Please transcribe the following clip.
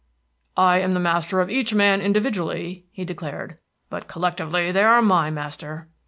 "I am the master of each man individually," he declared, "but collectively they are my master."